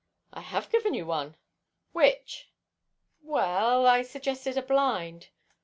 "I have given you one." "Which?" "Well, I suggested a blind."